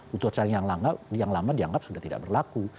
putusan yang lama dianggap sudah tidak berlaku